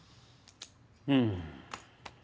うん。